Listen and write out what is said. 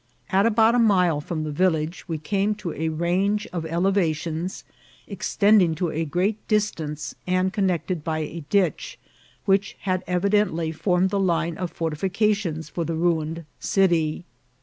At about a mile from the village we came to a range of elevations, extending to a great distance, and connected by a ditch, which had evidently formed the line of fortifications for the ruined city.